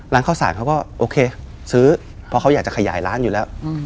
ร้านข้าวสารเขาก็โอเคซื้อเพราะเขาอยากจะขยายร้านอยู่แล้ว